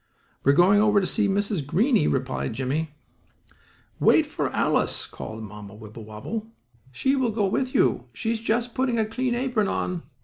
"We are going over to see Mrs. Greenie," replied Jimmie. "Wait for Alice," called Mamma Wibblewobble. "She will go with you. She is just putting a clean apron on."